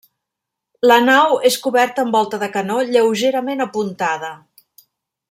La nau és coberta amb volta de canó lleugerament apuntada.